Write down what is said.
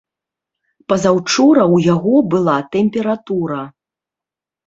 Пазаўчора ў яго была тэмпература.